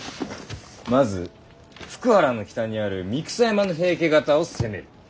まず福原の北にある三草山の平家方を攻める。